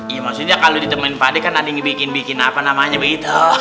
ya maksudnya kalau ditemen pade kan ada yang dibikin bikin apa namanya begitu